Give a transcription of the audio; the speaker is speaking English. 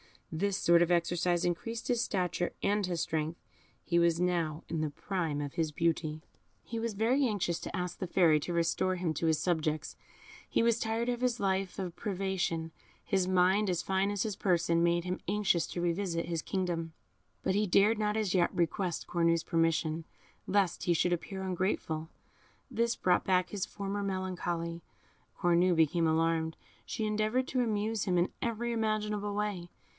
This sort of exercise increased his stature and his strength. He was now in the prime of his beauty. He was very anxious to ask the Fairy to restore him to his subjects; he was tired of this life of privation; his mind, as fine as his person, made him anxious to revisit his kingdom; but he dared not as yet request Cornue's permission, lest he should appear ungrateful. This brought back his former melancholy. Cornue became alarmed; she endeavoured to amuse him in every imaginable way.